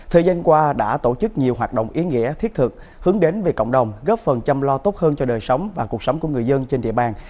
thời gian qua đã tổ chức nhiều hoạt động ý nghĩa thiết thực hướng đến về cộng đồng góp phần chăm lo tốt hơn cho đời sống và cuộc sống của người dân trên địa bàn